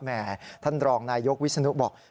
ท่านรองนายยกวิศนุบอก